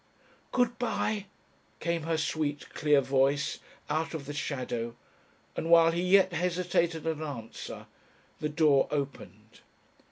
"Good bye," came her sweet, clear voice out of the shadow, and while he yet hesitated an answer, the door opened.